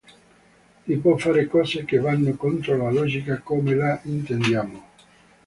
Dio può fare cose che vanno contro la logica come la intendiamo.